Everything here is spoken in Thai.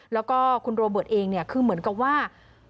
แล้วก็คุณโรเบิร์ตเองเนี่ยคือเหมือนกับว่า